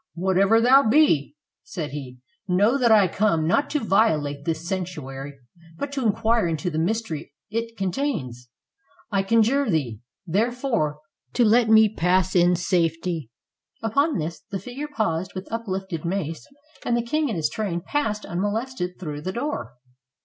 "Whatever thou be," said he, "know that I come not to violate this sanctuary, but to inquire into the mystery it contains; I conjure thee, therefore, to let me pass in safety." Upon this, the figure paused with uplifted mace, and the king and his train passed unmolested through the door.